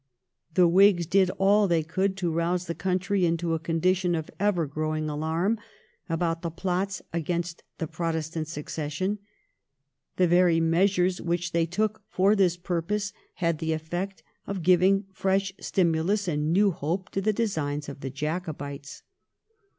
The Whigs did aU they could to rouse the country into a condition of ever growing alarm about the plots against the Protestant succession. The very measures which they took for this purpose had the effect of giving fresh stimulus and new hope to the designs of the Jacobites.